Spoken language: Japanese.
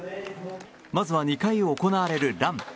まずは２回行われるラン。